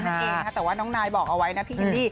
นั่นเองแต่ว่าน้องนายบอกเอาไว้นะพี่แกนดี้